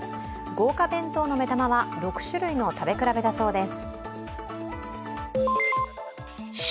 豪華弁当の目玉は６種類の食べ比べだそうです。